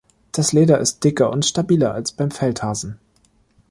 Das Leder ist dicker und stabiler als beim Feldhasen.